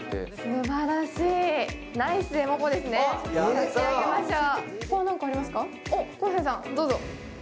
すばらしい、ナイス・エモポですね、差し上げましょう。